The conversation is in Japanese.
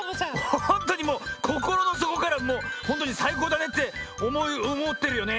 ホントにもうこころのそこからもうホントにさいこうだねっておもおもってるよね。